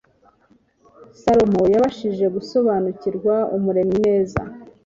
salomo yabashije gusobanukirwa umuremyi neza